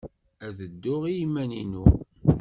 Ad dduɣ i yiman-inu.